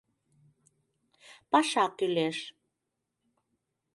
Паша кӱлеш.